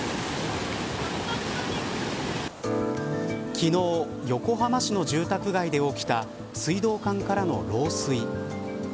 昨日、横浜市の住宅街で起きた水道管からの漏水。